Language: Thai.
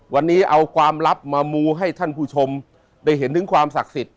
วันนี้เอาความลับมามูให้ท่านผู้ชมได้เห็นถึงความศักดิ์สิทธิ